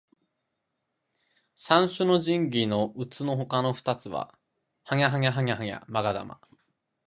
三種の神器のうつのほかの二つは天叢雲剣と八尺瓊勾玉。